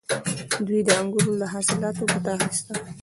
دوی د انګورو له حاصلاتو ګټه اخیسته